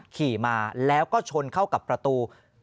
ขี่มาแล้วก็ชนเข้ากับประตู